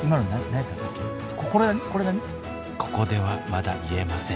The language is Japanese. ここではまだ言えません。